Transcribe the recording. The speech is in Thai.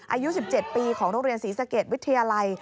อายุ๑๗ปีของโรงเรียนศรีสะเกดวิทยาลัย